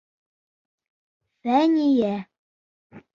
Фәниә